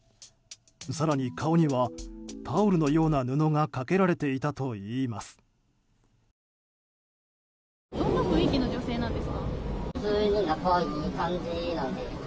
更に顔にはタオルのような布がかけられていたといいます。